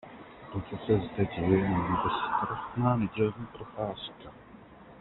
To, co se zde děje, není bezstarostná nedělní procházka.